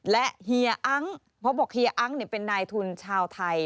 และเฮียอั้งเพราะบอกเฮียอั้งเป็นนายทุนชาวไทย